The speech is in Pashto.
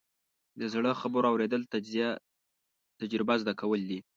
د زړو خبرو اورېدل، تجربه زده کول دي.